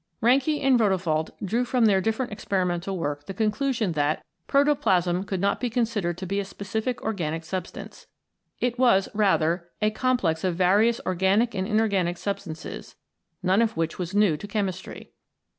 Reinke and Rodewald drew from their different experimental work the conclusion that protoplasm could not be considered to be a specific organic substance. It was rather a complex of various organic and inorganic substances, none of which was new to chemistry.